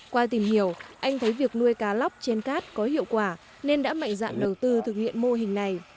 qua tìm hiểu anh thấy việc nuôi cá lóc trên cát có hiệu quả nên đã mạnh dạn đầu tư thực hiện mô hình này